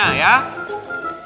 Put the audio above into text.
dipakai pakaiannya ya